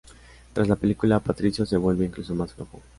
Tras la película, Patricio se vuelve incluso más flojo.